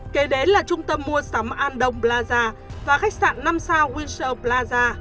kể đến là trung tâm mua sắm andong plaza và khách sạn năm sao windsor plaza